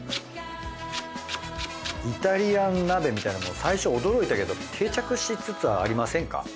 イタリアン鍋みたいなのも最初驚いたけど定着しつつありませんか？